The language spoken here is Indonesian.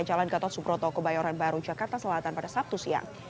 jalan gatot subroto kebayoran baru jakarta selatan pada sabtu siang